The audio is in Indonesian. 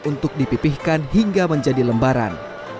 untuk dipipihkan hingga menjadi lembaran